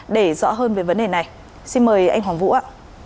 để rõ hơn về vấn đề này xin mời anh hoàng vũ ạ